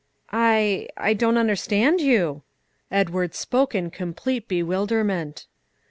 "I I don't understand you," Edward spoke, in complete bewilderment.